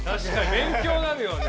べん強になるよね。